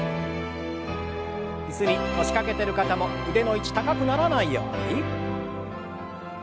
椅子に腰掛けてる方も腕の位置高くならないように。